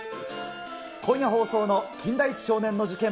今夜放送の金田一少年の事件簿